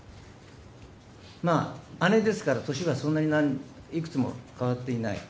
まあ、姉ですから、年はそんなにいくつも変わっていない。